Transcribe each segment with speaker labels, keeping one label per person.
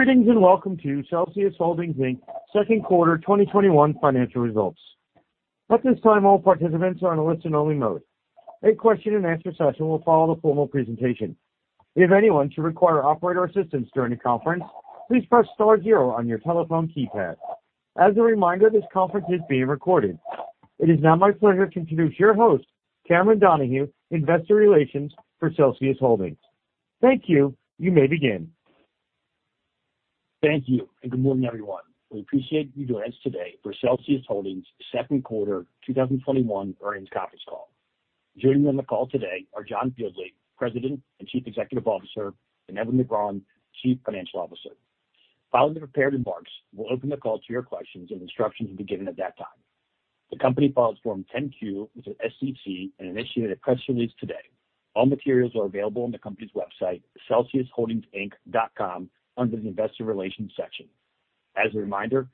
Speaker 1: Welcome to Celsius Holdings Inc.'s second quarter 2021 financial results. At this time, all participants are on a listen-only mode. A question-and-answer session will follow the formal presentation. If anyone should require operator assistance during the conference, please press star zero on your telephone keypad. As a reminder, this conference is being recorded. It is now my pleasure to introduce your host, Cameron Donahue, Investor Relations for Celsius Holdings. Thank you. You may begin.
Speaker 2: Thank you. Good morning, everyone. We appreciate you joining us today for Celsius Holdings' second quarter 2021 earnings conference call. Joining me on the call today are John Fieldly, President and Chief Executive Officer, and Edwin Negron, Chief Financial Officer. Following the prepared remarks, we'll open the call to your questions, and instructions will be given at that time. The company files Form 10-Q with the SEC and initiated a press release today. All materials are available on the company's website, celsiusholdingsinc.com, under the investor relations section. As a reminder,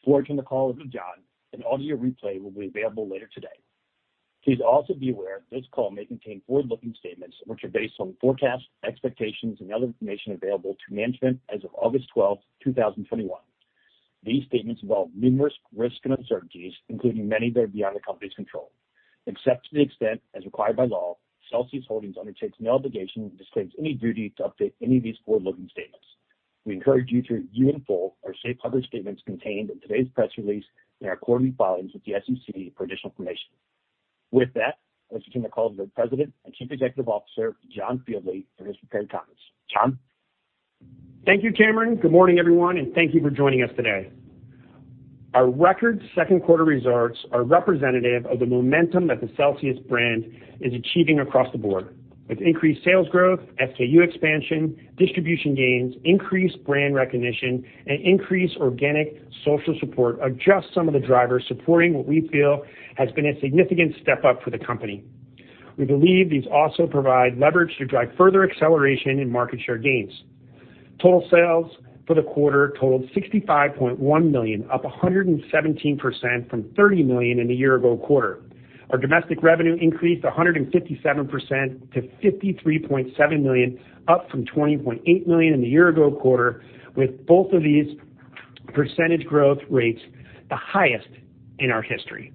Speaker 2: before I turn the call over to John, an audio replay will be available later today. Please also be aware this call may contain forward-looking statements, which are based on forecasts, expectations, and other information available to management as of August 12, 2021. These statements involve numerous risks and uncertainties, including many that are beyond the company's control. Except to the extent as required by law, Celsius Holdings undertakes no obligation and disclaims any duty to update any of these forward-looking statements. We encourage you to review in full our safe harbor statements contained in today's press release and our quarterly filings with the SEC for additional information. With that, I'll turn the call over to the President and Chief Executive Officer, John Fieldly, for his prepared comments. John?
Speaker 3: Thank you, Cameron. Good morning, everyone, and thank you for joining us today. Our record second quarter results are representative of the momentum that the Celsius brand is achieving across the board. With increased sales growth, SKU expansion, distribution gains, increased brand recognition, and increased organic social support are just some of the drivers supporting what we feel has been a significant step up for the company. We believe these also provide leverage to drive further acceleration in market share gains. Total sales for the quarter totaled $65.1 million, up 117% from $30 million in the year-ago quarter. Our domestic revenue increased 157% to $53.7 million, up from $20.8 million in the year-ago quarter, with both of these percentage growth rates the highest in our history.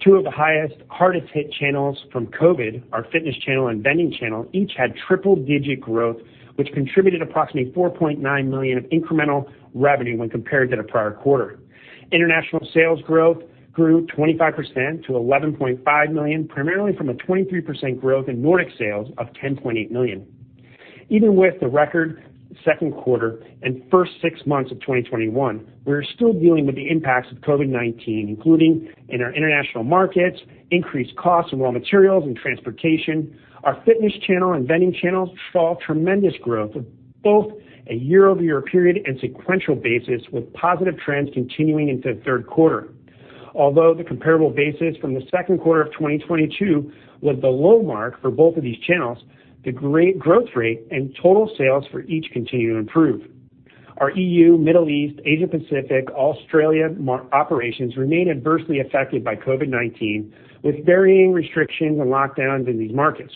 Speaker 3: Two of the highest hardest hit channels from COVID-19, our fitness channel and vending channel, each had triple-digit growth, which contributed approximately $4.9 million of incremental revenue when compared to the prior quarter. International sales growth grew 25% to $11.5 million, primarily from a 23% growth in Nordic sales of $10.8 million. Even with the record second quarter and first six months of 2021, we are still dealing with the impacts of COVID-19, including in our international markets, increased costs of raw materials and transportation. Our fitness channel and vending channels saw tremendous growth of both a year-over-year period and sequential basis, with positive trends continuing into the third quarter. Although the comparable basis from the second quarter of 2022 was the low mark for both of these channels, the growth rate and total sales for each continue to improve. Our EU, Middle East, Asia-Pacific, Australia operations remain adversely affected by COVID-19, with varying restrictions and lockdowns in these markets.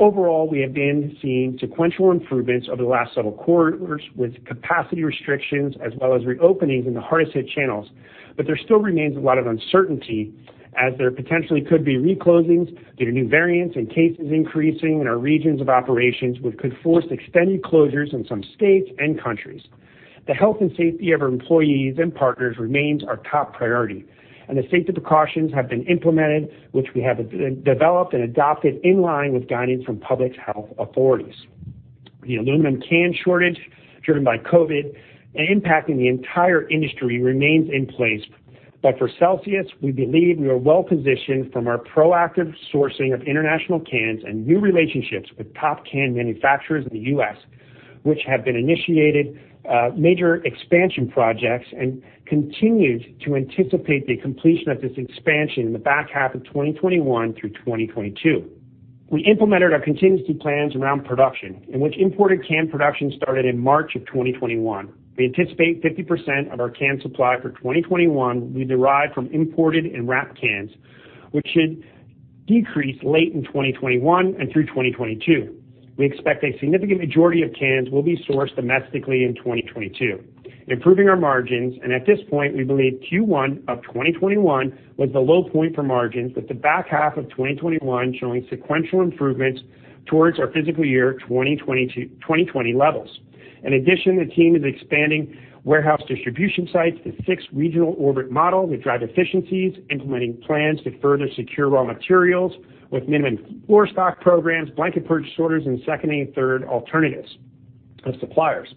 Speaker 3: Overall, we have been seeing sequential improvements over the last several quarters with capacity restrictions as well as reopenings in the hardest hit channels, but there still remains a lot of uncertainty as there potentially could be re-closings due to new variants and cases increasing in our regions of operations, which could force extended closures in some states and countries. The health and safety of our employees and partners remains our top priority, and extensive precautions have been implemented, which we have developed and adopted in line with guidance from public health authorities. The aluminum can shortage driven by COVID and impacting the entire industry remains in place. For Celsius, we believe we are well positioned from our proactive sourcing of international cans and new relationships with top can manufacturers in the U.S., which have been initiated major expansion projects and continued to anticipate the completion of this expansion in the back half of 2021 through 2022. We implemented our contingency plans around production, in which imported can production started in March of 2021. We anticipate 50% of our can supply for 2021 will be derived from imported and wrapped cans, which should decrease late in 2021 and through 2022. We expect a significant majority of cans will be sourced domestically in 2022, improving our margins. At this point, we believe Q1 of 2021 was the low point for margins, with the back half of 2021 showing sequential improvements towards our fiscal year 2020 levels. In addition, the team is expanding warehouse distribution sites to fixed regional orbit model to drive efficiencies, implementing plans to further secure raw materials with minimum floor stock programs, blanket purchase orders, and second and third alternatives of suppliers.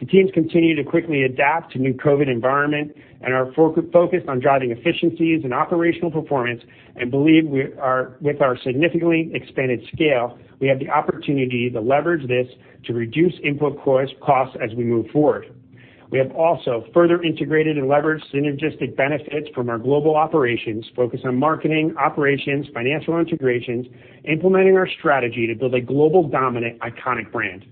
Speaker 3: The teams continue to quickly adapt to new COVID-19 environment and are focused on driving efficiencies and operational performance and believe with our significantly expanded scale, we have the opportunity to leverage this to reduce input costs as we move forward. We have also further integrated and leveraged synergistic benefits from our global operations focused on marketing, operations, financial integrations, implementing our strategy to build a global dominant iconic brand.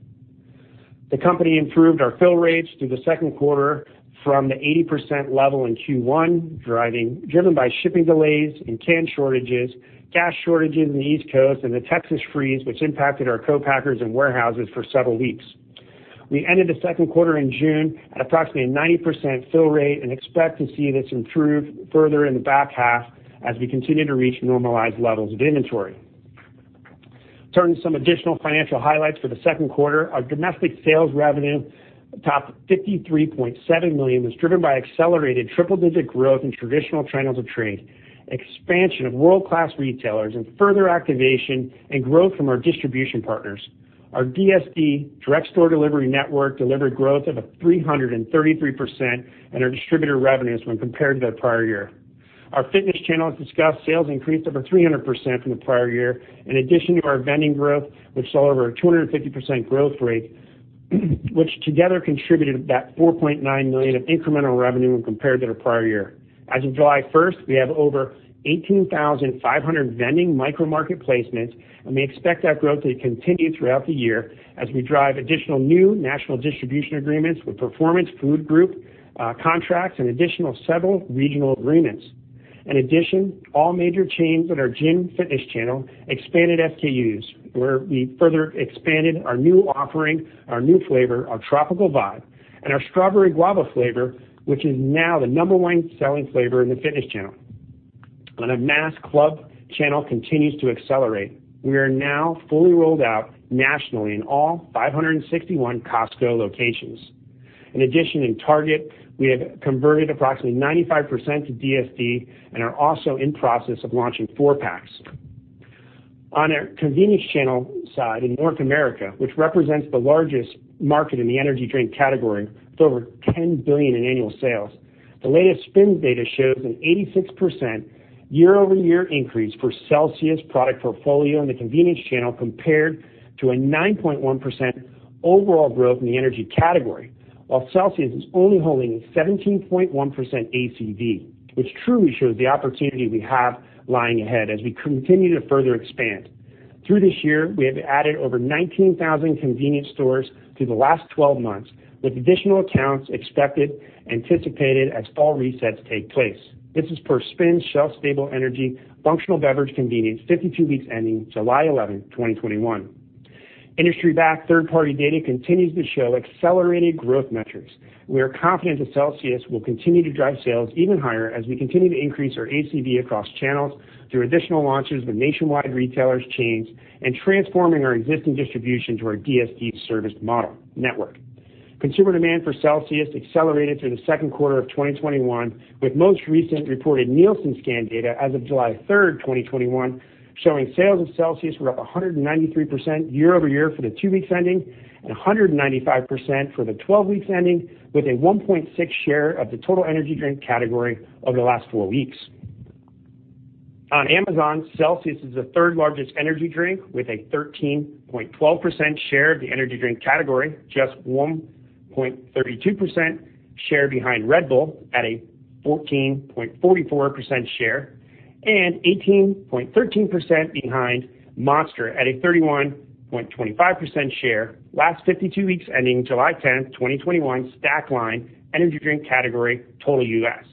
Speaker 3: The company improved our fill rates through the second quarter from the 80% level in Q1, driven by shipping delays and can shortages, gas shortages in the East Coast, and the Texas freeze, which impacted our co-packers and warehouses for several weeks. We ended the second quarter in June at approximately a 90% fill rate, and expect to see this improve further in the back half as we continue to reach normalized levels of inventory. Turning to some additional financial highlights for the second quarter, our domestic sales revenue topped $53.7 million, was driven by accelerated triple-digit growth in traditional channels of trade, expansion of world-class retailers, and further activation and growth from our distribution partners. Our DSD, Direct Store Delivery network, delivered growth of 333% in our distributor revenues when compared to the prior year. Our fitness channel, as discussed, sales increased over 300% from the prior year, in addition to our vending growth, which saw over a 250% growth rate, which together contributed about $4.9 million of incremental revenue when compared to the prior year. As of July 1, we have over 18,500 vending micro market placements, and we expect that growth to continue throughout the year as we drive additional new national distribution agreements with Performance Food Group contracts and additional several regional agreements. In addition, all major chains in our gym fitness channel expanded SKUs, where we further expanded our new offering, our new flavor, our Tropical Vibe, and our Strawberry Guava flavor, which is now the number one selling flavor in the fitness channel. Our mass club channel continues to accelerate. We are now fully rolled out nationally in all 561 Costco locations. In addition, in Target, we have converted approximately 95% to DSD and are also in process of launching four packs. On our convenience channel side in North America, which represents the largest market in the energy drink category with over $10 billion in annual sales, the latest SPINS data shows an 86% year-over-year increase for Celsius product portfolio in the convenience channel compared to a 9.1% overall growth in the energy category, while Celsius is only holding 17.1% ACV, which truly shows the opportunity we have lying ahead as we continue to further expand. Through this year, we have added over 19,000 convenience stores through the last 12 months, with additional accounts anticipated as fall resets take place. This is per SPINS shelf-stable energy functional beverage convenience, 52 weeks ending July 11, 2021. Industry-backed third-party data continues to show accelerated growth metrics. We are confident that Celsius will continue to drive sales even higher as we continue to increase our ACV across channels through additional launches with nationwide retailers chains and transforming our existing distribution to our DSD serviced model network. Consumer demand for Celsius accelerated through the second quarter of 2021, with most recent reported Nielsen scan data as of July 3, 2021, showing sales of Celsius were up 193% year-over-year for the two weeks ending, and 195% for the 12 weeks ending, with a 1.6 share of the total energy drink category over the last four weeks. On Amazon, Celsius is the third largest energy drink with a 13.12% share of the energy drink category, just 1.32% share behind Red Bull at a 14.44% share and 18.13% behind Monster at a 31.25% share last 52 weeks ending July 10, 2021, Stackline energy drink category total U.S.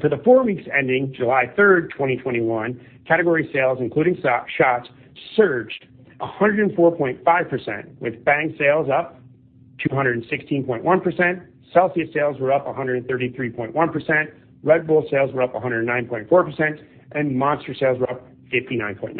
Speaker 3: For the four weeks ending July 3, 2021, category sales, including shots, surged 104.5%, with Bang sales up 216.1%, Celsius sales were up 133.1%, Red Bull sales were up 109.4%, and Monster sales were up 59.9%.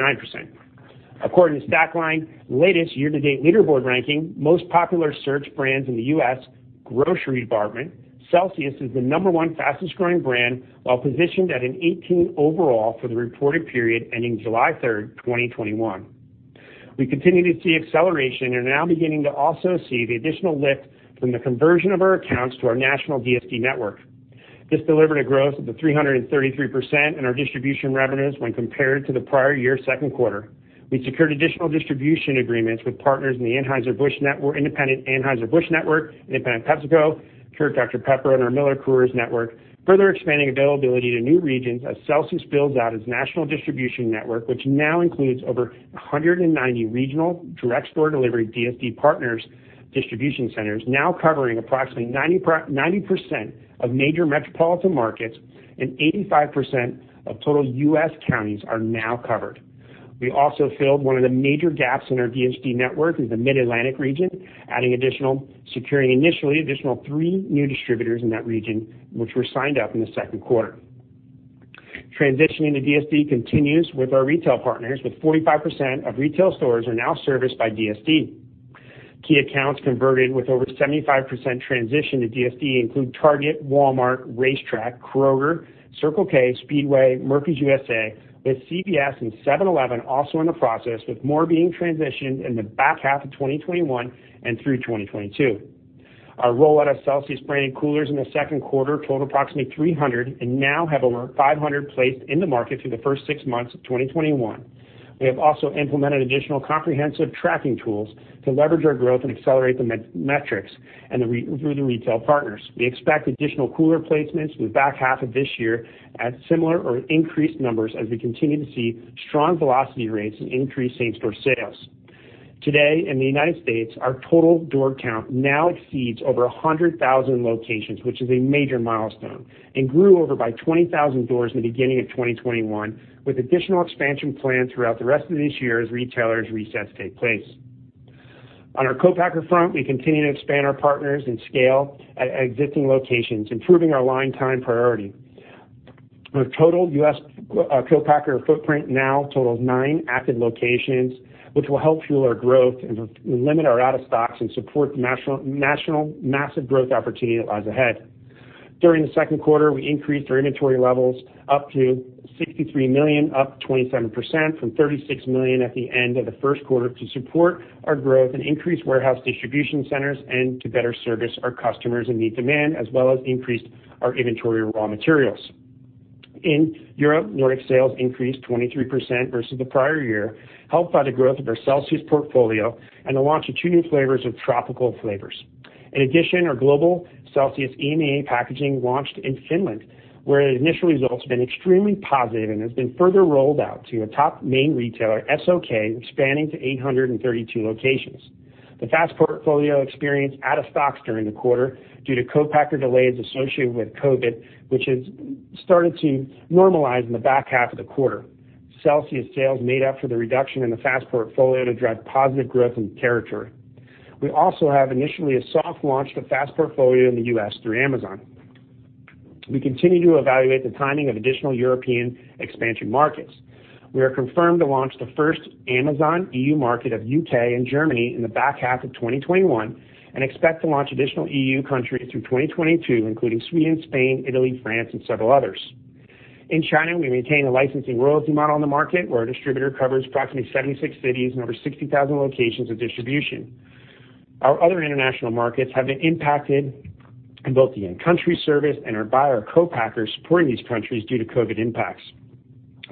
Speaker 3: According to Stackline latest year-to-date leaderboard ranking, most popular search brands in the U.S. grocery department, Celsius is the number one fastest growing brand, while positioned at an 18 overall for the reported period ending July 3, 2021. We continue to see acceleration and are now beginning to also see the additional lift from the conversion of our accounts to our national DSD network. This delivered a growth of 333% in our distribution revenues when compared to the prior year second quarter. We secured additional distribution agreements with partners in the independent Anheuser-Busch network, independent PepsiCo, secured Dr Pepper and our MillerCoors network, further expanding availability to new regions as Celsius builds out its national distribution network, which now includes over 190 regional direct store delivery DSD partners distribution centers, now covering approximately 90% of major metropolitan markets and 85% of total U.S. counties are now covered. We also filled one of the major gaps in our DSD network in the Mid-Atlantic region, adding initially three new distributors in that region, which were signed up in the second quarter. Transitioning to DSD continues with our retail partners, with 45% of retail stores are now serviced by DSD. Key accounts converted with over 75% transition to DSD include Target, Walmart, RaceTrac, Kroger, Circle K, Speedway, Murphy USA, with CVS and 7-Eleven also in the process, with more being transitioned in the back half of 2021 and through 2022. Our rollout of Celsius branded coolers in the second quarter totaled approximately 300 and now have over 500 placed in the market through the first six months of 2021. We have also implemented additional comprehensive tracking tools to leverage our growth and accelerate the metrics through the retail partners. We expect additional cooler placements in the back half of this year at similar or increased numbers as we continue to see strong velocity rates and increased same-store sales. Today, in the United States, our total door count now exceeds over 100,000 locations, which is a major milestone, and grew over by 20,000 doors in the beginning of 2021, with additional expansion planned throughout the rest of this year as retailers resets take place. On our co-packer front, we continue to expand our partners and scale at existing locations, improving our line time priority. Our total U.S. co-packer footprint now totals nine active locations, which will help fuel our growth and limit our out-of-stocks and support the massive growth opportunity that lies ahead. During the second quarter, we increased our inventory levels up to $63 million, up 27% from $36 million at the end of the first quarter to support our growth and increase warehouse distribution centers and to better service our customers and meet demand as well as increased our inventory raw materials. In Europe, Nordic sales increased 23% versus the prior year, helped by the growth of our Celsius portfolio and the launch of two new flavors of tropical flavors. In addition, our global Celsius EMEA packaging launched in Finland, where the initial results have been extremely positive and has been further rolled out to a top main retailer, SOK, expanding to 832 locations. The FAST portfolio experienced out of stocks during the quarter due to co-packer delays associated with COVID-19, which has started to normalize in the back half of the quarter. Celsius sales made up for the reduction in the fast portfolio to drive positive growth in the territory. We also have initially a soft launch of the FAST portfolio in the U.S. through Amazon. We continue to evaluate the timing of additional European expansion markets. We are confirmed to launch the first Amazon EU market of U.K. and Germany in the back half of 2021. We expect to launch additional EU countries through 2022, including Sweden, Spain, Italy, France, and several others. In China, we maintain a licensing royalty model in the market, where our distributor covers approximately 76 cities and over 60,000 locations of distribution. Our other international markets have been impacted in both the in-country service and by our co-packers supporting these countries due to COVID-19 impacts.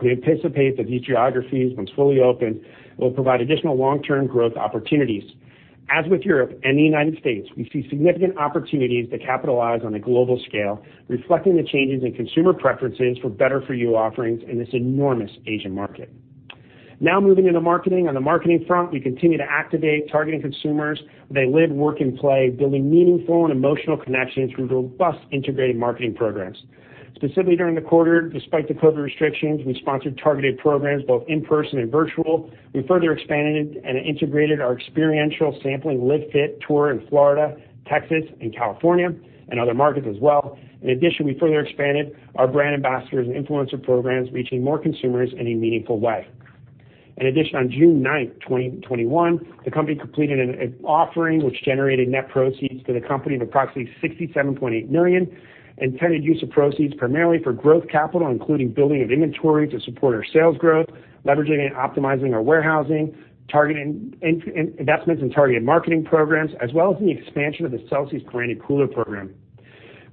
Speaker 3: We anticipate that these geographies, once fully open, will provide additional long-term growth opportunities. As with Europe and the U.S., we see significant opportunities to capitalize on a global scale, reflecting the changes in consumer preferences for better-for-you offerings in this enormous Asian market. Now moving into marketing. On the marketing front, we continue to activate targeting consumers where they live, work, and play, building meaningful and emotional connections through robust integrated marketing programs. Specifically, during the quarter, despite the COVID-19 restrictions, we sponsored targeted programs both in-person and virtual. We further expanded and integrated our experiential sampling LIVE FIT tour in Florida, Texas, and California, and other markets as well. In addition, we further expanded our brand ambassadors and influencer programs, reaching more consumers in a meaningful way. In addition, on June 9th, 2021, the company completed an offering which generated net proceeds to the company of approximately $67.8 million, intended use of proceeds primarily for growth capital, including building of inventory to support our sales growth, leveraging and optimizing our warehousing, investments in targeted marketing programs, as well as in the expansion of the Celsius branded cooler program.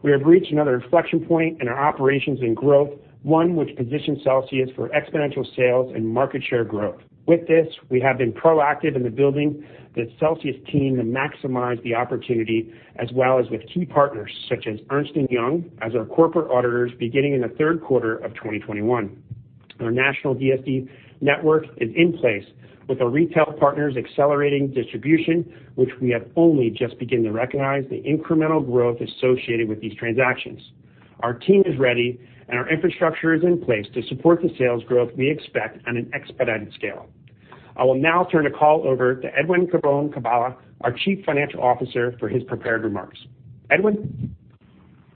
Speaker 3: We have reached another inflection point in our operations and growth, one which positions Celsius for exponential sales and market share growth. With this, we have been proactive in the building the Celsius team to maximize the opportunity, as well as with key partners such as Ernst & Young as our corporate auditors beginning in the third quarter of 2021. Our national DSD network is in place with our retail partners accelerating distribution, which we have only just begun to recognize the incremental growth associated with these transactions. Our team is ready, and our infrastructure is in place to support the sales growth we expect on an expedited scale. I will now turn the call over to Edwin Negron-Carballo, our Chief Financial Officer, for his prepared remarks. Edwin?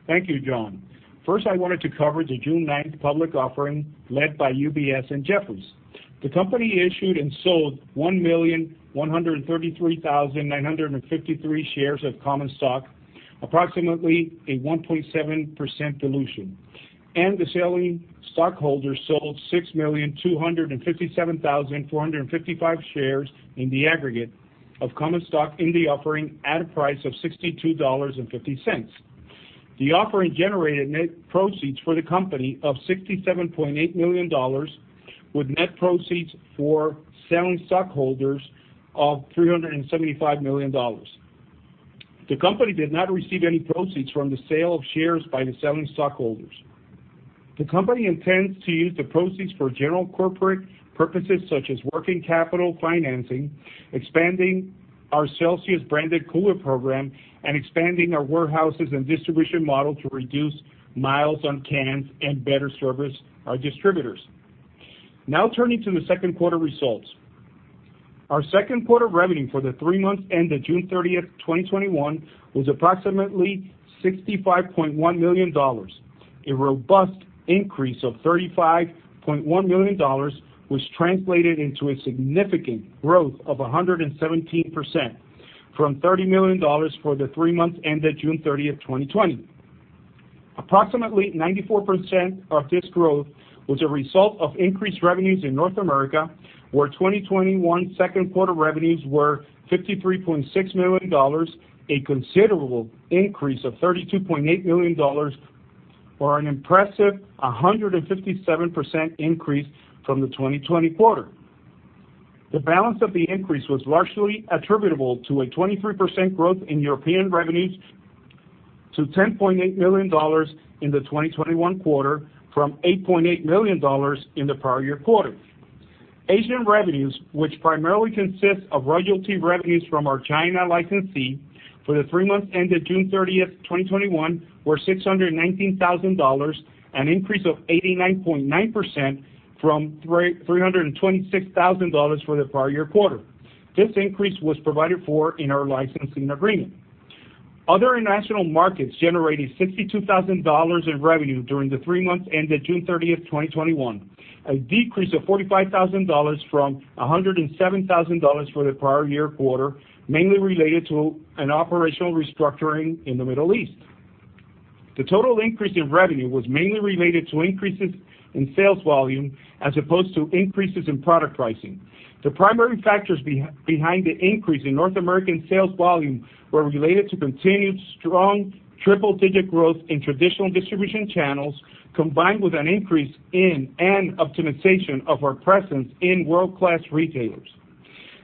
Speaker 4: Thank you, John. First, I wanted to cover the June 9 Public Offering led by UBS and Jefferies. The company issued and sold 1,133,953 shares of common stock, approximately a 1.7% dilution, and the selling stockholders sold 6,257,455 shares in the aggregate of common stock in the offering at a price of $62.50. The offering generated net proceeds for the company of $67.8 million, with net proceeds for selling stockholders of $375 million. The company did not receive any proceeds from the sale of shares by the selling stockholders. The company intends to use the proceeds for general corporate purposes such as working capital financing, expanding our Celsius branded cooler program, and expanding our warehouses and distribution model to reduce miles on cans and better service our distributors. Now turning to the second quarter results. Our second quarter revenue for the three months ended June 30, 2021, was approximately $65.1 million. A robust increase of $35.1 million was translated into a significant growth of 117% from $30 million for the three months ended June 30, 2020. Approximately 94% of this growth was a result of increased revenues in North America, where 2021 second quarter revenues were $53.6 million, a considerable increase of $32.8 million, or an impressive 157% increase from the 2020 quarter. The balance of the increase was largely attributable to a 23% growth in European revenues to $10.8 million in the 2021 quarter from $8.8 million in the prior year quarter. Asian revenues, which primarily consist of royalty revenues from our China licensee for the three months ended June 30, 2021, were $619,000, an increase of 89.9% from $326,000 for the prior year quarter. This increase was provided for in our licensing agreement. Other international markets generated $62,000 in revenue during the three months ended June 30th, 2021, a decrease of $45,000 from $107,000 for the prior year quarter, mainly related to an operational restructuring in the Middle East. The total increase in revenue was mainly related to increases in sales volume as opposed to increases in product pricing. The primary factors behind the increase in North American sales volume were related to continued strong triple-digit growth in traditional distribution channels, combined with an increase in and optimization of our presence in world-class retailers.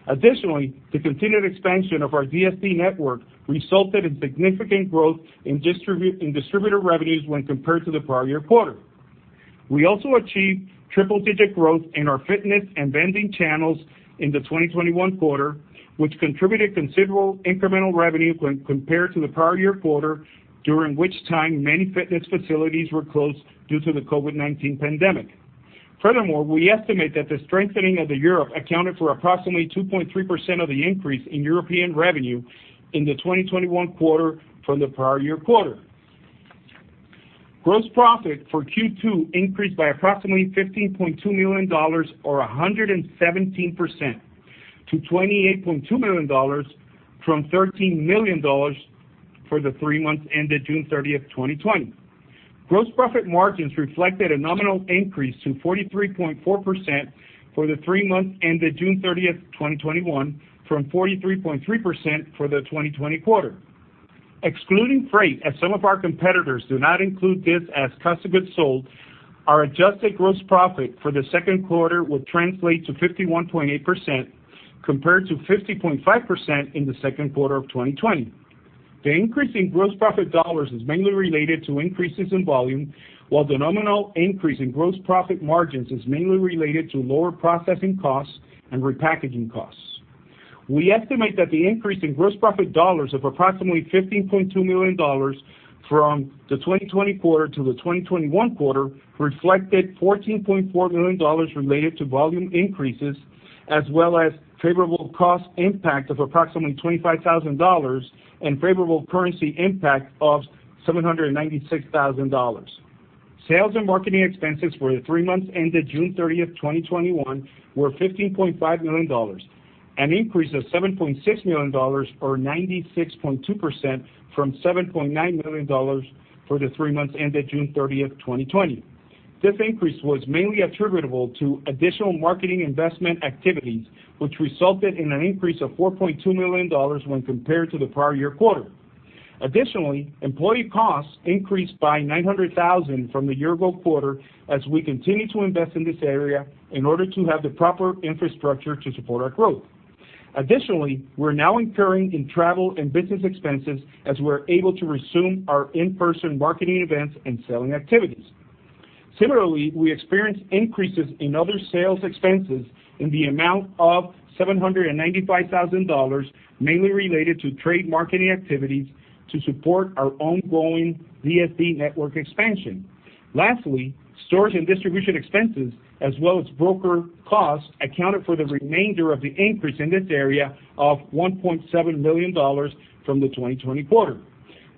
Speaker 4: Additionally, the continued expansion of our DSD network resulted in significant growth in distributor revenues when compared to the prior year quarter. We also achieved triple-digit growth in our fitness and vending channels in the 2021 quarter, which contributed considerable incremental revenue when compared to the prior year quarter, during which time many fitness facilities were closed due to the COVID-19 pandemic. Furthermore, we estimate that the strengthening of the euro accounted for approximately 2.3% of the increase in European revenue in the 2021 quarter from the prior year quarter. Gross profit for Q2 increased by approximately $15.2 million or 117%, to $28.2 million from $13 million for the three months ended June 30, 2020. Gross profit margins reflected a nominal increase to 43.4% for the three months ended June 30, 2021, from 43.3% for the 2020 quarter. Excluding freight, as some of our competitors do not include this as cost of goods sold, our adjusted gross profit for the second quarter would translate to 51.8%, compared to 50.5% in the second quarter of 2020. The increase in gross profit dollars is mainly related to increases in volume, while the nominal increase in gross profit margins is mainly related to lower processing costs and repackaging costs. We estimate that the increase in gross profit dollars of approximately $15.2 million from the 2020 quarter to the 2021 quarter reflected $14.4 million related to volume increases, as well as favorable cost impact of approximately $25,000 and favorable currency impact of $796,000. Sales and marketing expenses for the three months ended June 30th, 2021 were $15.5 million, an increase of $7.6 million or 96.2% from $7.9 million for the three months ended June 30th, 2020. This increase was mainly attributable to additional marketing investment activities, which resulted in an increase of $4.2 million when compared to the prior year quarter. Additionally, employee costs increased by $900,000 from the year ago quarter as we continue to invest in this area in order to have the proper infrastructure to support our growth. Additionally, we're now incurring in travel and business expenses as we're able to resume our in-person marketing events and selling activities. Similarly, we experienced increases in other sales expenses in the amount of $795,000, mainly related to trade marketing activities to support our ongoing DSD network expansion. Lastly, storage and distribution expenses as well as broker costs accounted for the remainder of the increase in this area of $1.7 million from the 2020 quarter.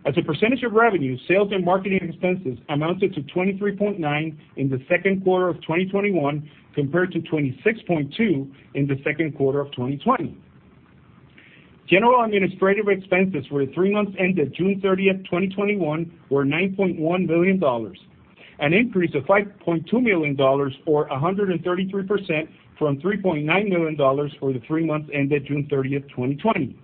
Speaker 4: As a percentage of revenue, sales and marketing expenses amounted to 23.9% in Q2 2021, compared to 26.2% in Q2 2020. General administrative expenses for the three months ended June 30, 2021 were $9.1 million, an increase of $5.2 million or 133% from $3.9 million for the three months ended June 30, 2020.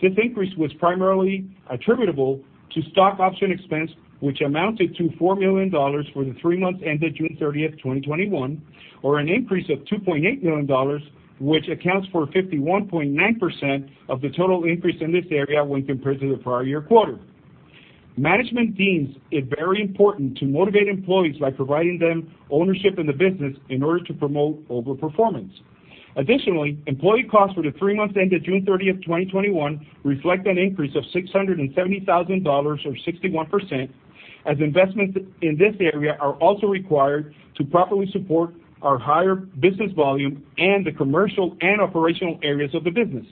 Speaker 4: This increase was primarily attributable to stock option expense, which amounted to $4 million for the three months ended June 30, 2021, or an increase of $2.8 million, which accounts for 51.9% of the total increase in this area when compared to the prior year quarter. Management deems it very important to motivate employees by providing them ownership in the business in order to promote over-performance. Additionally, employee costs for the three months ended June 30, 2021 reflect an increase of $670,000 or 61%, as investments in this area are also required to properly support our higher business volume and the commercial and operational areas of the business.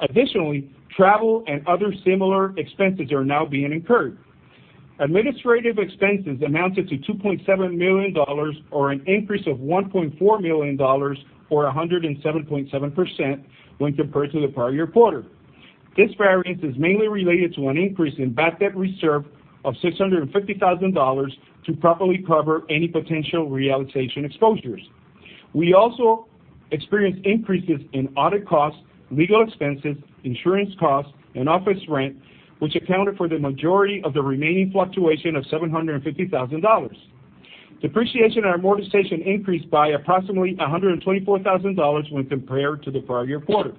Speaker 4: Additionally, travel and other similar expenses are now being incurred. Administrative expenses amounted to $2.7 million, or an increase of $1.4 million or 107.7% when compared to the prior year quarter. This variance is mainly related to an increase in bad debt reserve of $650,000 to properly cover any potential realization exposures. We also experienced increases in audit costs, legal expenses, insurance costs, and office rent, which accounted for the majority of the remaining fluctuation of $750,000. Depreciation and amortization increased by approximately $124,000 when compared to the prior year quarter.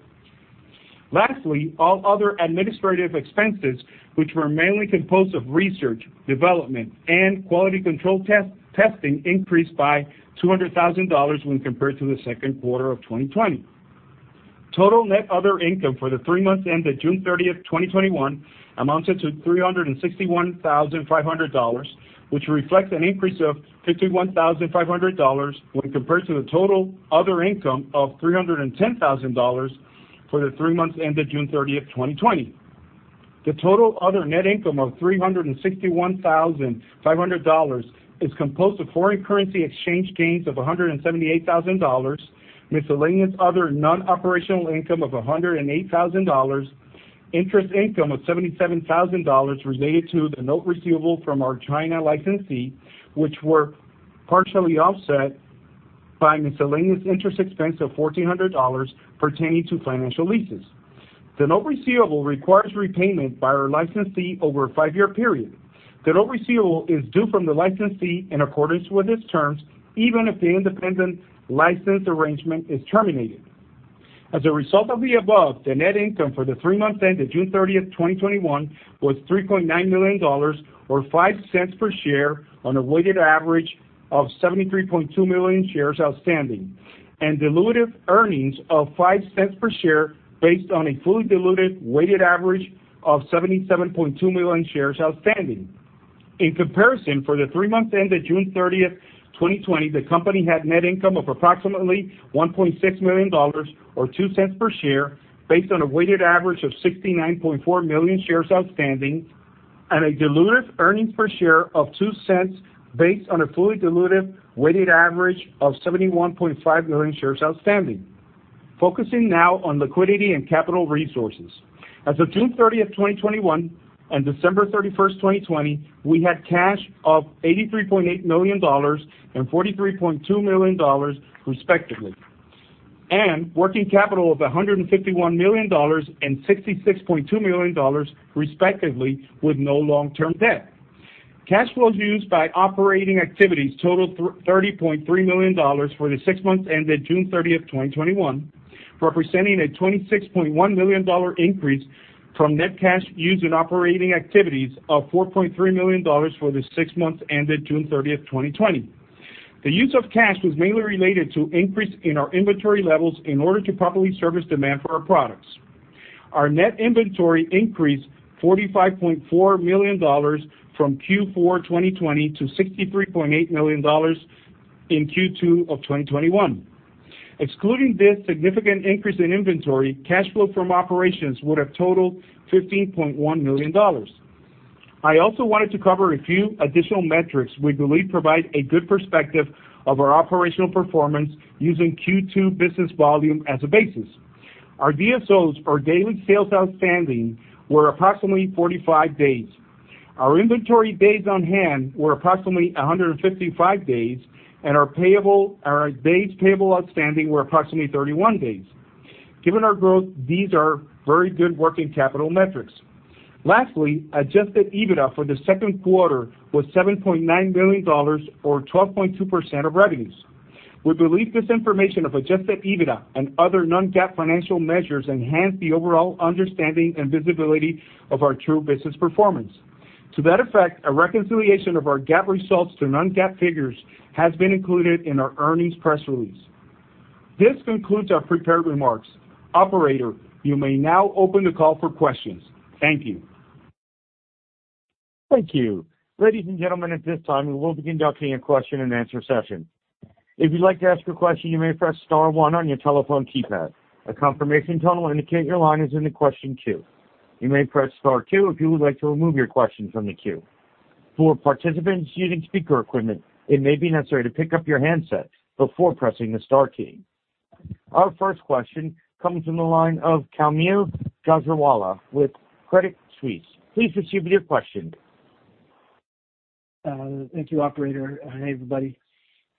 Speaker 4: Lastly, all other administrative expenses, which were mainly composed of research, development, and quality control testing, increased by $200,000 when compared to the second quarter of 2020. Total net other income for the three months ended June 30th, 2021 amounted to $361,500, which reflects an increase of $51,500 when compared to the total other income of $310,000 for the three months ended June 30, 2020. The total other net income of $361,500 is composed of foreign currency exchange gains of $178,000, miscellaneous other non-operational income of $108,000, interest income of $77,000 related to the note receivable from our China licensee, which were partially offset by miscellaneous interest expense of $1,400 pertaining to financial leases. The note receivable requires repayment by our licensee over a five-year period. The note receivable is due from the licensee in accordance with its terms, even if the independent license arrangement is terminated. As a result of the above, the net income for the three months ended June 30, 2021 was $3.9 million or $0.05 per share on a weighted average of 73.2 million shares outstanding, and dilutive earnings of $0.05 per share based on a fully diluted weighted average of 77.2 million shares outstanding. In comparison, for the three months ended June 30, 2020, the company had net income of approximately $1.6 million or $0.02 per share based on a weighted average of 69.4 million shares outstanding and a dilutive earnings per share of $0.02 based on a fully diluted weighted average of 71.5 million shares outstanding. Focusing now on liquidity and capital resources. As of June 30, 2021 and December 31, 2020, we had cash of $83.8 million and $43.2 million respectively, and working capital of $151 million and $66.2 million respectively, with no long-term debt. Cash flows used by operating activities totaled $30.3 million for the six months ended June 30, 2021, representing a $26.1 million increase from net cash used in operating activities of $4.3 million for the six months ended June 30, 2020. The use of cash was mainly related to increase in our inventory levels in order to properly service demand for our products. Our net inventory increased $45.4 million from Q4 2020 to $63.8 million in Q2 of 2021. Excluding this significant increase in inventory, cash flow from operations would have totaled $15.1 million. I also wanted to cover a few additional metrics we believe provide a good perspective of our operational performance using Q2 business volume as a basis. Our DSOs or daily sales outstanding were approximately 45 days. Our inventory days on hand were approximately 155 days, and our days payable outstanding were approximately 31 days. Given our growth, these are very good working capital metrics. Lastly, adjusted EBITDA for the second quarter was $7.9 million or 12.2% of revenues. We believe this information of adjusted EBITDA and other non-GAAP financial measures enhance the overall understanding and visibility of our true business performance. To that effect, a reconciliation of our GAAP results to non-GAAP figures has been included in our earnings press release. This concludes our prepared remarks. Operator, you may now open the call for questions. Thank you.
Speaker 1: Thank you. Ladies and gentlemen, at this time, we will be conducting a question and answer session. If you'd like to ask a question, you may press star one on your telephone keypad. A confirmation tone will indicate your line is in the question queue. You may press star two if you would like to remove your question from the queue. For participants using speaker equipment, it may be necessary to pick up your handset before pressing the star key. Our first question comes from the line of Kaumil Gajrawala with Credit Suisse, please proceed with your question.
Speaker 5: Thank you, operator. Hey everybody?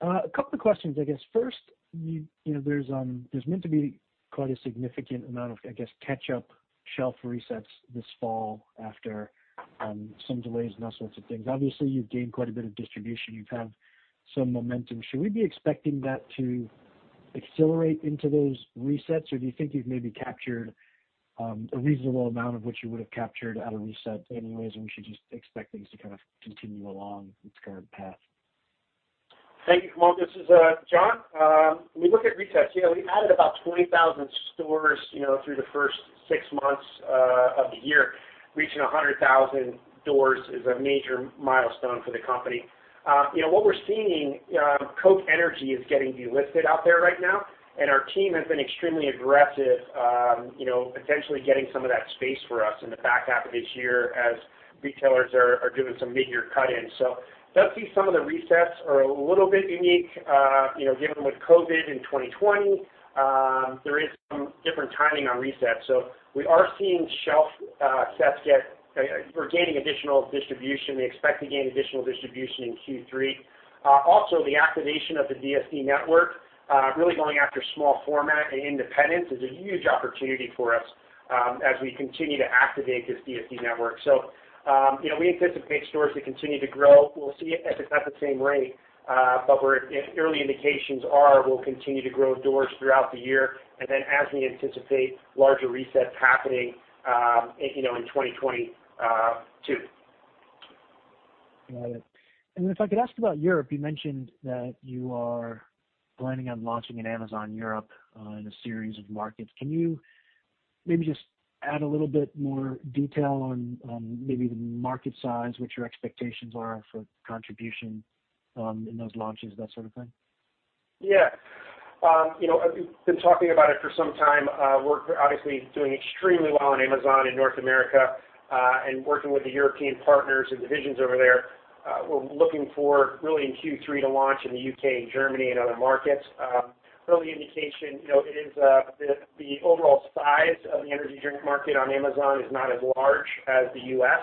Speaker 5: A couple of questions, I guess. First, there's meant to be quite a significant amount of, I guess, catch-up shelf resets this fall after some delays and all sorts of things. Obviously, you've gained quite a bit of distribution. You've had some momentum. Should we be expecting that to accelerate into those resets, or do you think you've maybe captured a reasonable amount of what you would have captured at a reset anyways, and we should just expect things to kind of continue along its current path?
Speaker 3: Thank you, Kaumil. This is John. When we look at resets, we added about 20,000 stores through the first six months of the year. Reaching 100,000 doors is a major milestone for the company. What we're seeing, Coca-Cola Energy is getting delisted out there right now, and our team has been extremely aggressive potentially getting some of that space for us in the back half of this year as retailers are doing some mid-year cut-ins. We see some of the resets are a little bit unique given with COVID-19 in 2020. There is some different timing on resets. We're gaining additional distribution. We expect to gain additional distribution in Q3. Also, the activation of the DSD network, really going after small format and independents is a huge opportunity for us as we continue to activate this DSD network. We anticipate stores to continue to grow. We'll see if it's at the same rate, but early indications are we'll continue to grow doors throughout the year, and then as we anticipate larger resets happening in 2022.
Speaker 5: Got it. If I could ask about Europe, you mentioned that you are planning on launching in Amazon Europe in a series of markets. Can you maybe just add a little bit more detail on maybe the market size, what your expectations are for contribution in those launches, that sort of thing?
Speaker 3: Yeah. We've been talking about it for some time. We're obviously doing extremely well on Amazon in North America, and working with the European partners and divisions over there. We're looking for, really in Q3, to launch in the U.K. and Germany and other markets. Early indication, the overall size of the energy drink market on Amazon is not as large as the U.S.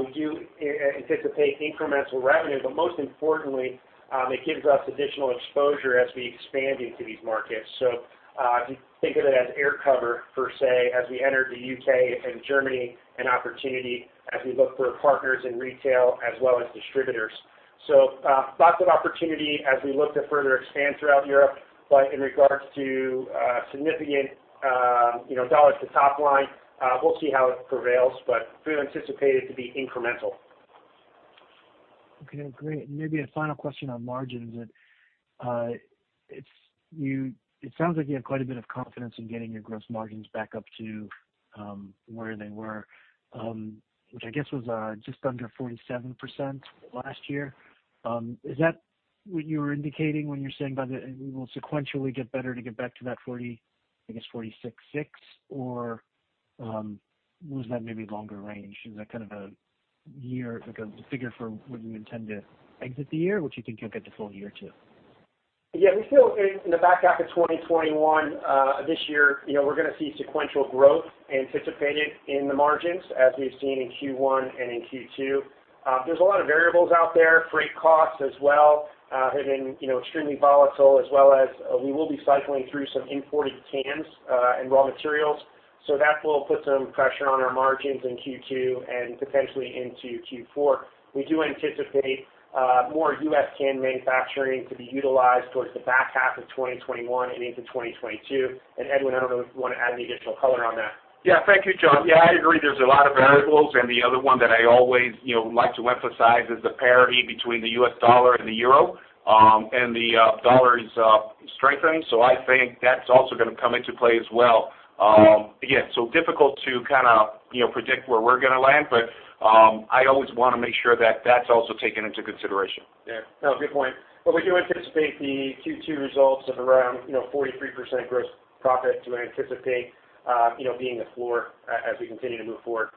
Speaker 3: We do anticipate incremental revenue, but most importantly, it gives us additional exposure as we expand into these markets. If you think of it as air cover, per se, as we enter the U.K. and Germany, an opportunity as we look for partners in retail as well as distributors. Lots of opportunity as we look to further expand throughout Europe, but in regards to significant dollars to top line, we'll see how it prevails, but we anticipate it to be incremental.
Speaker 5: Okay, great. Maybe a final question on margins. It sounds like you have quite a bit of confidence in getting your gross margins back up to where they were, which I guess was just under 47% last year. Is that what you were indicating when you're saying by the end we will sequentially get better to get back to that 40%, I guess 46.6%, or was that maybe longer range? Is that kind of a year, like a figure for when you intend to exit the year? What you think you'll get the full year to?
Speaker 3: Yeah, we feel in the back half of 2021, this year, we're going to see sequential growth anticipated in the margins as we've seen in Q1 and in Q2. There's a lot of variables out there, freight costs as well have been extremely volatile, as well as we will be cycling through some imported cans and raw materials. That will put some pressure on our margins in Q2 and potentially into Q4. We do anticipate more U.S. can manufacturing to be utilized towards the back half of 2021 and into 2022. Edwin, I don't know if you want to add any additional color on that.
Speaker 4: Yeah. Thank you, John. Yeah, I agree. There's a lot of variables, and the other one that I always like to emphasize is the parity between the U.S. dollar and the euro. The dollar is strengthening, so I think that's also going to come into play as well. Again, so difficult to kind of predict where we're going to land, but I always want to make sure that that's also taken into consideration.
Speaker 3: Yeah. No, good point. We do anticipate the Q2 results of around 43% gross profit to anticipate being the floor as we continue to move forward.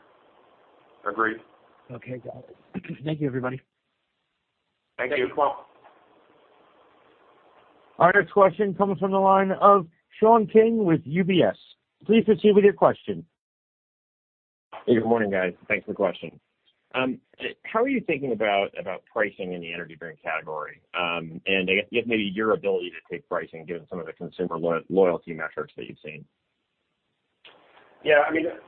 Speaker 4: Agreed.
Speaker 5: Okay, got it. Thank you everybody.
Speaker 4: Thank you.
Speaker 3: Thank you.
Speaker 1: Our next question comes from the line of Sean King with UBS, please proceed with your question.
Speaker 6: Good morning guys? Thanks for the question. How are you thinking about pricing in the energy drink category? I guess maybe your ability to take pricing given some of the consumer loyalty metrics that you've seen.
Speaker 3: Yeah,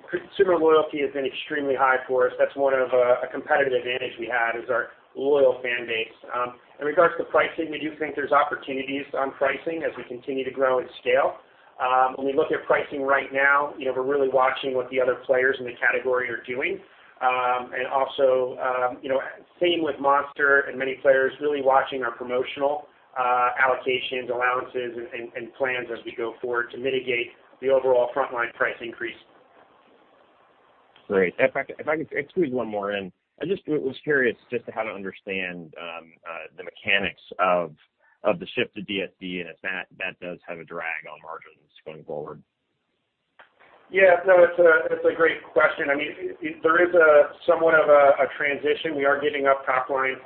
Speaker 3: consumer loyalty has been extremely high for us. That's one of a competitive advantage we have is our loyal fan base. In regards to pricing, we do think there's opportunities on pricing as we continue to grow and scale. When we look at pricing right now, we're really watching what the other players in the category are doing. Also, same with Monster and many players really watching our promotional allocations, allowances and plans as we go forward to mitigate the overall frontline price increase.
Speaker 6: Great. If I could squeeze one more in. I just was curious just to kind of understand the mechanics of the shift to DSD, and if that does have a drag on margins going forward.
Speaker 3: No, it's a great question. There is somewhat of a transition. We are giving up top line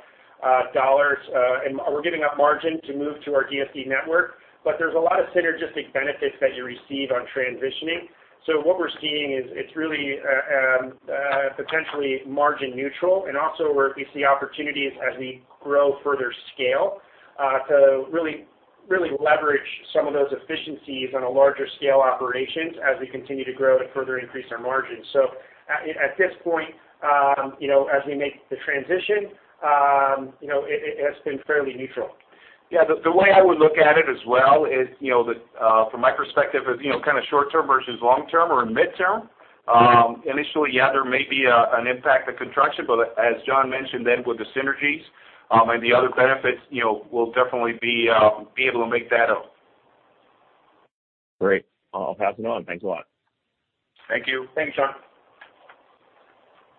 Speaker 3: dollars, and we're giving up margin to move to our DSD network. There's a lot of synergistic benefits that you receive on transitioning. What we're seeing is it's really potentially margin neutral, and also where we see opportunities as we grow further scale, to really leverage some of those efficiencies on a larger scale operations as we continue to grow and further increase our margins. At this point, as we make the transition, it has been fairly neutral.
Speaker 4: Yeah, the way I would look at it as well is, from my perspective is kind of short term versus long term or midterm. Initially, yeah, there may be an impact of contraction, but as John mentioned then with the synergies and the other benefits, we'll definitely be able to make that up.
Speaker 6: Great. I'll pass it on. Thanks a lot.
Speaker 4: Thank you.
Speaker 3: Thanks, Sean.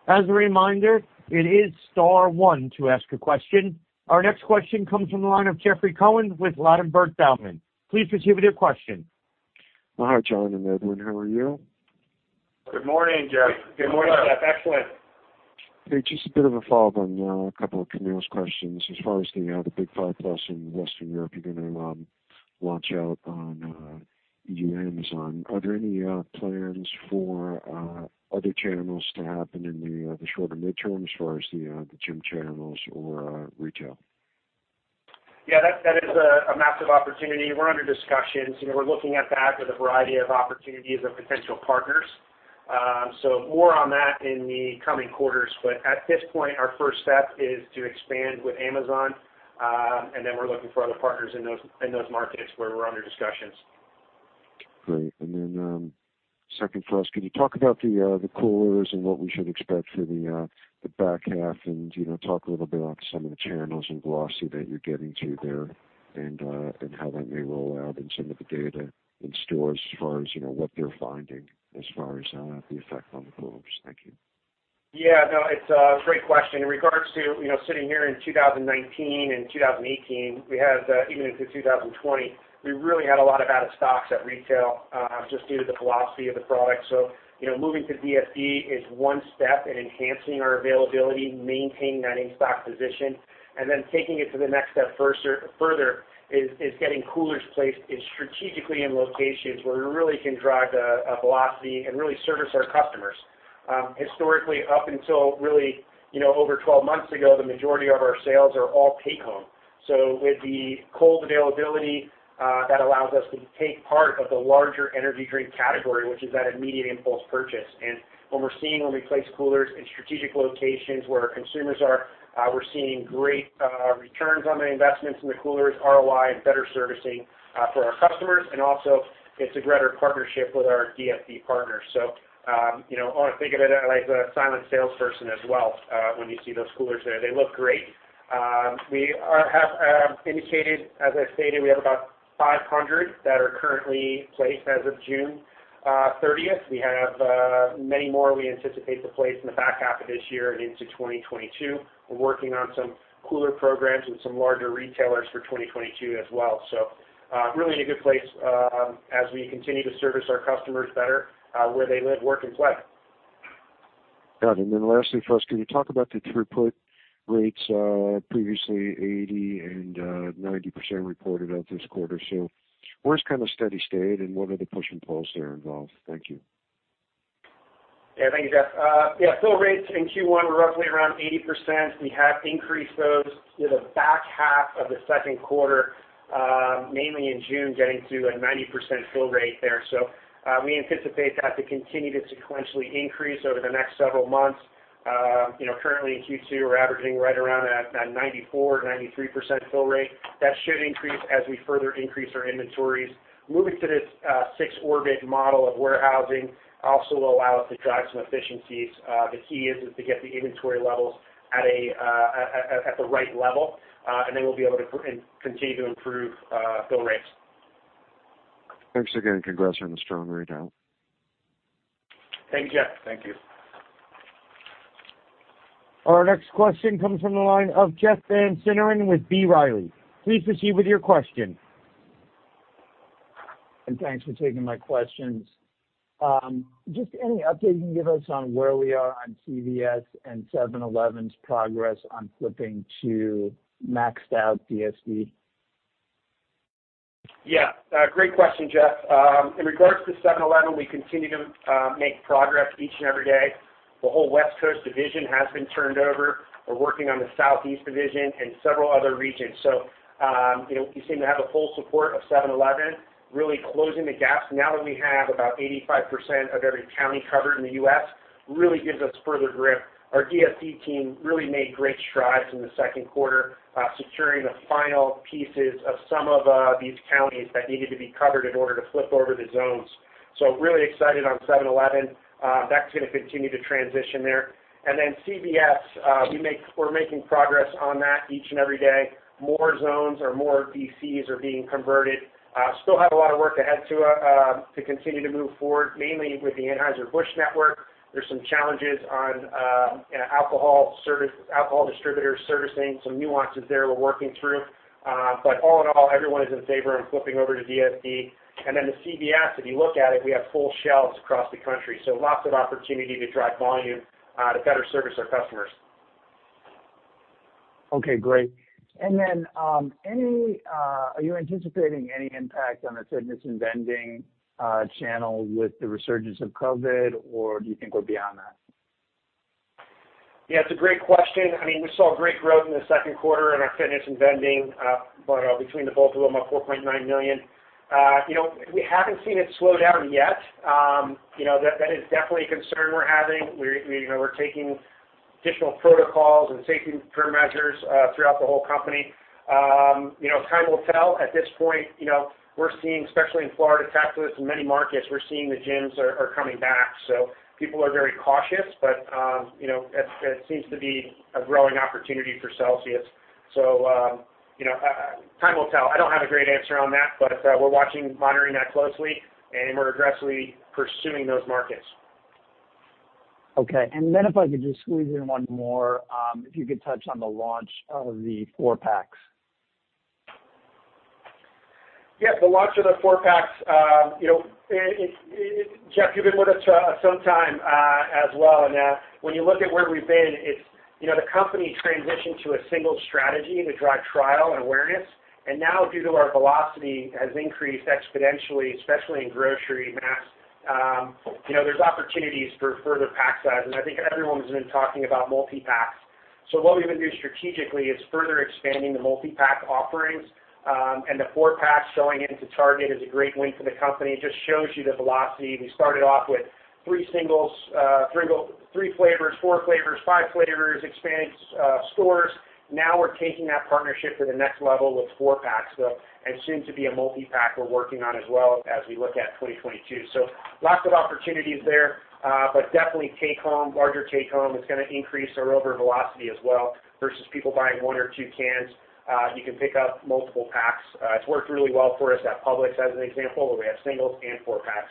Speaker 1: As a reminder, it is star one to ask a question. Our next question comes from the line of Jeffrey Cohen with Ladenburg Thalmann, please proceed with your question.
Speaker 7: Hi, John and Edwin. How are you?
Speaker 4: Good morning, Jeff.
Speaker 3: Good morning, Jeff. Excellent.
Speaker 7: Hey, just a bit of a follow-up on a couple of Kaumil's questions as far as the other Big Five plus in Western Europe you're going to launch out on Amazon. Are there any plans for other channels to happen in the short or midterm as far as the gym channels or retail?
Speaker 3: Yeah, that is a massive opportunity. We're under discussions. We're looking at that with a variety of opportunities of potential partners. More on that in the coming quarters, but at this point, our first step is to expand with Amazon, and then we're looking for other partners in those markets where we're under discussions.
Speaker 7: Great. Second for us, can you talk about the coolers and what we should expect for the back half? Talk a little bit on some of the channels and ACV that you're getting to there, and how that may roll out and some of the data in stores as far as what they're finding as far as the effect on the coolers. Thank you.
Speaker 3: Yeah, no, it's a great question. In regards to sitting here in 2019 and 2018, we had, even into 2020, we really had a lot of out-of-stocks at retail, just due to the velocity of the product. Moving to DSD is one step in enhancing our availability, maintaining that in-stock position, and then taking it to the next step further, is getting coolers placed strategically in locations where we really can drive the velocity and really service our customers. Historically, up until really over 12 months ago, the majority of our sales are all take-home. With the cold availability, that allows us to take part of the larger energy drink category, which is that immediate impulse purchase. What we're seeing when we place coolers in strategic locations where our consumers are, we're seeing great returns on the investments in the coolers, ROI, and better servicing for our customers. Also, it's a greater partnership with our DSD partners. I want to think of it as a silent salesperson as well, when you see those coolers there. They look great. We have indicated, as I stated, we have about 500 that are currently placed as of June 30. We have many more we anticipate to place in the back half of this year and into 2022. We're working on some cooler programs with some larger retailers for 2022 as well. Really in a good place as we continue to service our customers better where they live, work, and play.
Speaker 7: Got it. Then lastly for us, can you talk about the throughput rates, previously 80% and 90% reported out this quarter? Where's kind of steady state and what are the push and pulls there involved? Thank you.
Speaker 3: Yeah, thank you, Jeff. Yeah, fill rates in Q1 were roughly around 80%. We have increased those to the back half of the second quarter, mainly in June, getting to a 90% fill rate there. We anticipate that to continue to sequentially increase over the next several months. Currently in Q2, we're averaging right around that 94% or 93% fill rate. That should increase as we further increase our inventories. Moving to this six orbit model of warehousing also will allow us to drive some efficiencies. The key is to get the inventory levels at the right level, and then we'll be able to continue to improve fill rates.
Speaker 7: Thanks again. Congrats on a strong readout.
Speaker 3: Thank you, Jeff. Thank you.
Speaker 1: Our next question comes from the line of Jeff Van Sinderen with B. Riley, please proceed with your question.
Speaker 8: Thanks for taking my questions. Just any update you can give us on where we are on CVS and 7-Eleven's progress on flipping to maxed out DSD?
Speaker 3: Great question, Jeff. In regards to 7-Eleven, we continue to make progress each and every day. The whole West Coast division has been turned over. We're working on the Southeast division and several other regions. We seem to have the full support of 7-Eleven, really closing the gaps. Now that we have about 85% of every county covered in the U.S., really gives us further grip. Our DSD team really made great strides in the second quarter, securing the final pieces of some of these counties that needed to be covered in order to flip over the zones. Really excited on 7-Eleven. That's going to continue to transition there. CVS, we're making progress on that each and every day. More zones or more DCs are being converted. Still have a lot of work ahead to continue to move forward, mainly with the Anheuser-Busch network. There's some challenges on alcohol distributors servicing, some nuances there we're working through. All in all, everyone is in favor in flipping over to DSD. The CVS, if you look at it, we have full shelves across the country, so lots of opportunity to drive volume to better service our customers.
Speaker 8: Okay, great. Are you anticipating any impact on the fitness and vending channel with the resurgence of COVID-19, or do you think we're beyond that?
Speaker 3: It's a great question. We saw great growth in the second quarter in our fitness and vending, between the both of them, up $4.9 million. We haven't seen it slow down yet. That is definitely a concern we're having. We're taking additional protocols and safety parameters throughout the whole company. Time will tell. At this point, we're seeing, especially in Florida, Texas, and many markets, we're seeing the gyms are coming back. People are very cautious, but that seems to be a growing opportunity for Celsius. Time will tell. I don't have a great answer on that, but we're watching, monitoring that closely, and we're aggressively pursuing those markets.
Speaker 8: Okay, if I could just squeeze in one more, if you could touch on the launch of the four packs.
Speaker 3: Yeah, the launch of the four packs. Jeff, you've been with us some time as well. When you look at where we've been, the company transitioned to a single strategy to drive trial and awareness. Now due to our velocity has increased exponentially, especially in grocery, mass. There are opportunities for further pack sizes. I think everyone has been talking about multi-packs. What we've been doing strategically is further expanding the multi-pack offerings. The four packs showing into Target is a great win for the company. It just shows you the velocity. We started off with three flavors, four flavors, five flavors, expanded stores. Now we're taking that partnership to the next level with four packs, and soon to be a multi-pack we're working on as well as we look at 2022. Lots of opportunities there. Definitely take home, larger take home is going to increase our overall velocity as well versus people buying one or two cans. You can pick up multiple packs. It's worked really well for us at Publix as an example, where we have singles and four packs,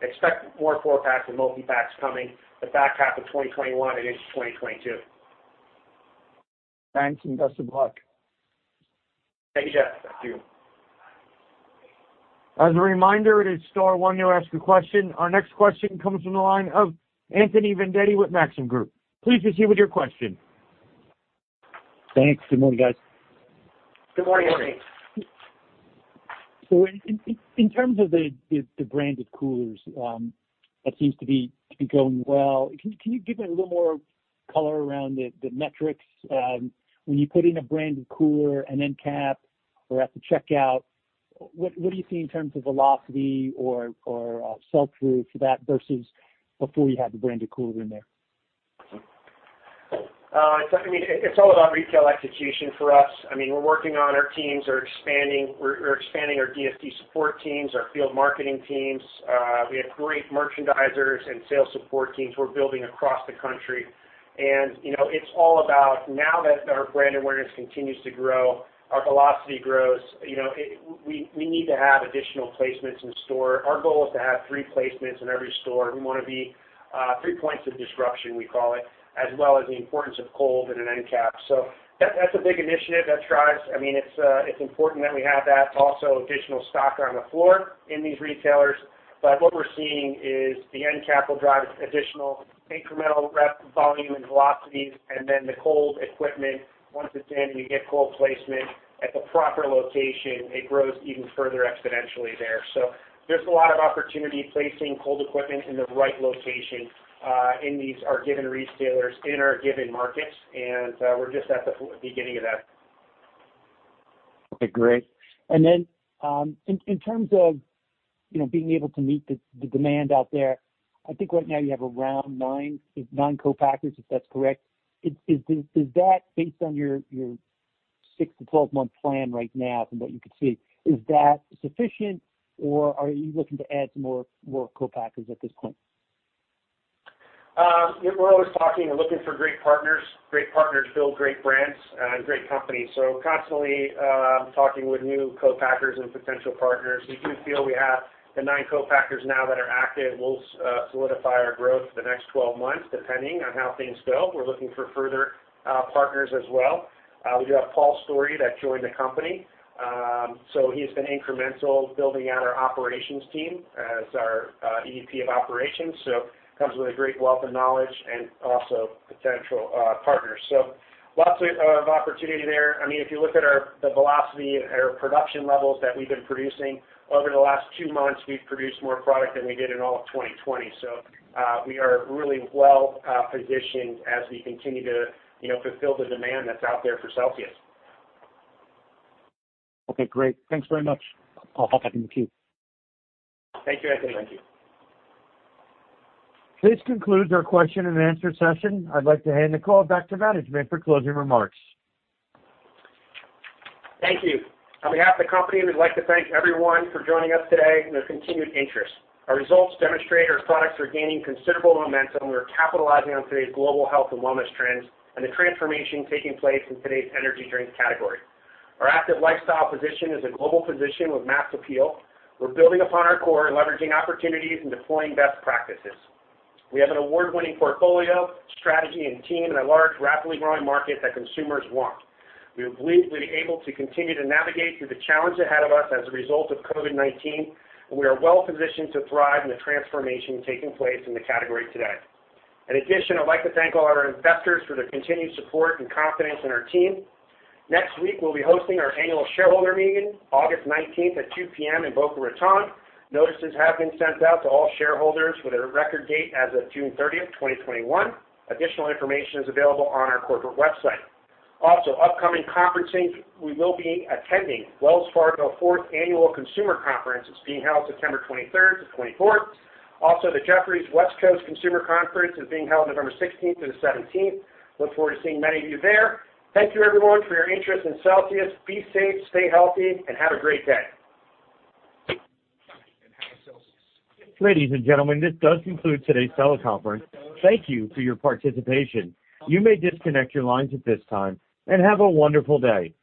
Speaker 3: so expect more four packs and multi-packs coming the back half of 2021 and into 2022.
Speaker 8: Thanks and best of luck.
Speaker 3: Thank you, Jeff. Thank you.
Speaker 1: As a reminder, it is star one to ask a question. Our next question comes from the line of Anthony Vendetti with Maxim Group, please proceed with your question.
Speaker 9: Thanks. Good morning guys?
Speaker 3: Good morning.
Speaker 9: In terms of the branded coolers, that seems to be going well. Can you give me a little more color around the metrics? When you put in a branded cooler, an end cap, or at the checkout, what do you see in terms of velocity or sell-through for that versus before you had the branded cooler in there?
Speaker 3: It's all about retail execution for us. We're working on our teams. We're expanding our DSD support teams, our field marketing teams. We have great merchandisers and sales support teams we're building across the country. It's all about now that our brand awareness continues to grow, our velocity grows, we need to have additional placements in store. Our goal is to have three placements in every store. We want to be three points of disruption, we call it, as well as the importance of cold and an end cap. That's a big initiative that drives. It's important that we have that. Also, additional stock on the floor in these retailers. What we're seeing is the end cap will drive additional incremental rep volume and velocities, and then the cold equipment, once it's in, we get cold placement at the proper location, it grows even further exponentially there. There's a lot of opportunity placing cold equipment in the right location in these, our given retailers in our given markets, and we're just at the beginning of that.
Speaker 9: Okay, great. In terms of being able to meet the demand out there, I think right now you have around nine co-packers if that's correct. Is that based on your 6-12-month plan right now from what you can see? Is that sufficient, or are you looking to add some more co-packers at this point?
Speaker 3: We're always talking and looking for great partners. Great partners build great brands and great companies. Constantly talking with new co-packers and potential partners. We do feel we have the nine co-packers now that are active will solidify our growth for the next 12 months, depending on how things go. We're looking for further partners as well. We do have Paul Storey that joined the company. He's been incremental building out our Operations team as our Executive Vice President of Operations, so comes with a great wealth of knowledge and also potential partners. Lots of opportunity there. If you look at the velocity and our production levels that we've been producing, over the last two months, we've produced more product than we did in all of 2020. We are really well positioned as we continue to fulfill the demand that's out there for Celsius.
Speaker 9: Okay, great. Thanks very much. I'll hop back in the queue.
Speaker 3: Thank you, Anthony.
Speaker 1: This concludes our question-and-answer session. I'd like to hand the call back to management for closing remarks.
Speaker 3: Thank you. On behalf of the company, we'd like to thank everyone for joining us today and their continued interest. Our results demonstrate our products are gaining considerable momentum, and we are capitalizing on today's global health and wellness trends and the transformation taking place in today's energy drinks category. Our active lifestyle position is a global position with mass appeal. We're building upon our core, leveraging opportunities and deploying best practices. We have an award-winning portfolio, strategy, and team in a large, rapidly growing market that consumers want. We believe we'll be able to continue to navigate through the challenge ahead of us as a result of COVID-19, and we are well-positioned to thrive in the transformation taking place in the category today. In addition, I'd like to thank all our investors for their continued support and confidence in our team. Next week, we'll be hosting our annual shareholder meeting, August 19, at 2:00 P.M. in Boca Raton. Notices have been sent out to all shareholders with a record date as of June 30, 2021. Additional information is available on our corporate website. Also, upcoming conferencing, we will be attending Wells Fargo Fourth Annual Consumer Conference. It's being held September 23 to 24. Also, the Jefferies West Coast Consumer Conference is being held November 16 to the 17. Look forward to seeing many of you there. Thank you, everyone, for your interest in Celsius. Be safe, stay healthy, and have a great day.
Speaker 1: Ladies and gentlemen, this does conclude today's teleconference. Thank you for your participation, you may disconnect your lines at this time. Have a wonderful day.